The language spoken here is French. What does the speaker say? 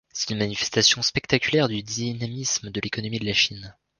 C'est une manifestation spectaculaire du dynamisme de l'économie de la Chine.